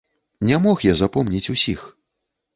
Не мог я запомніць усіх.